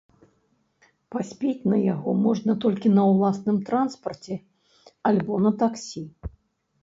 Паспець на яго можна толькі на ўласным транспарце альбо на таксі.